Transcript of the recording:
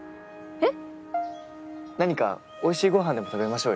えっ！